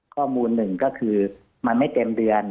ข้อมูลหนึ่งก็คือมันไม่เต็มเดือน